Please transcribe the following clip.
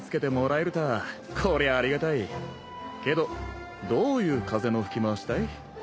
韻どういう風の吹き回しだい？